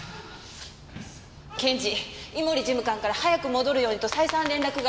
検事井森事務官から早く戻るようにと再三連絡が。